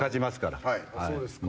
そうですか。